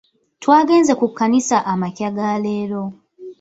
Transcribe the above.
twagenze ku kkanisa amakya ga leero.